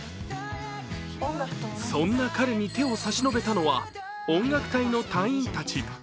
そんな彼に手を差し伸べたのは音楽隊の隊員たち。